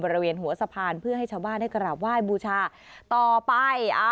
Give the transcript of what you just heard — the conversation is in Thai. บริเวณหัวสะพานเพื่อให้ชาวบ้านได้กราบไหว้บูชาต่อไป